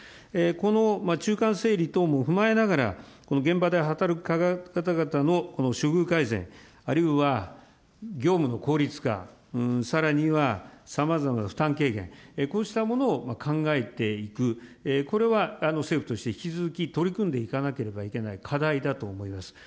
この中間整理等も踏まえながら、現場で働く方々の処遇改善、あるいは、業務の効率化、さらにはさまざまな負担軽減、こうしたものを考えていく、これは政府として引き続き取り組んでいかなければいけない課題だと思います。